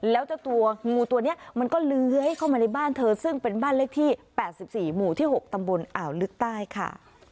แล้วเจ้าตัวงูตัวนี้มันก็เลื้อยเข้ามาในบ้านเธอซึ่งเป็นบ้านเลขที่๘๔หมู่ที่๖ตำบลอ่าวลึกใต้ค่ะ